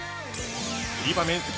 売り場面積